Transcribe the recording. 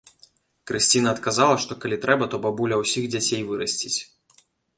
Крысціна адказала, што калі трэба, то бабуля ўсіх дзяцей вырасціць.